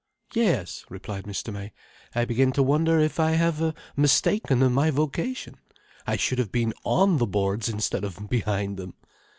"Yes," replied Mr. May. "I begin to wonder if I have mistaken my vocation. I should have been on the boards, instead of behind them."